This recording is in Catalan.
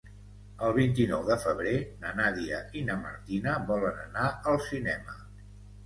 El vint-i-nou de febrer na Nàdia i na Martina volen anar al cinema.